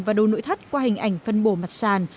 và đồ nội thất qua hình ảnh phân bổ mặt sàn